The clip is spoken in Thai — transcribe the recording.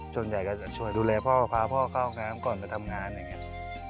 ส่วนใหญ่ก็จะช่วยดูแลพ่อพาพ่อเข้าห้องน้ำก่อนไปทำงานอย่างนี้